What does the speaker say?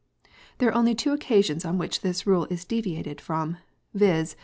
There are only two occasions on which this rule is deviated from, viz.